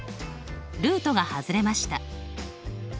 ルートが外れました。